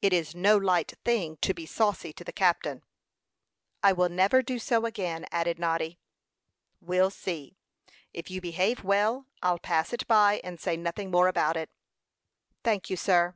"It is no light thing to be saucy to the captain." "I will never do so again," added Noddy. "We'll see; if you behave well, I'll pass it by, and say nothing more about it." "Thank you, sir."